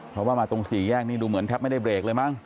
เพราะว่ามาตรงสี่แยกนี่ดูเหมือนแทบไม่ได้เบรกเลยมั้ง